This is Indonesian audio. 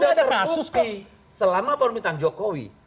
dan sudah terpulpi selama permintaan jokowi